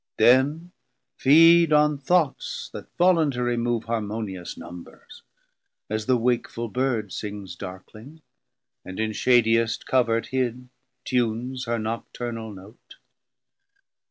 Then feed on thoughts, that voluntarie move Harmonious numbers; as the wakeful Bird Sings darkling, and in shadiest Covert hid Tunes her nocturnal Note.